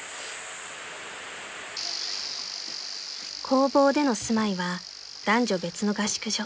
［工房での住まいは男女別の合宿所］